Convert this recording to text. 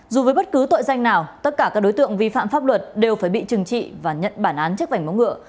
dù với bất cứ tội danh nào tất cả các đối tượng vi phạm pháp luật đều phải bị trừng trị và nhận bản án chức vảnh móng ngựa